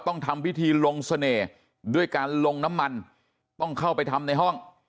ต้องทำพิธีลงเสน่ห์ด้วยการลงน้ำมันต้องเข้าไปทำในห้อง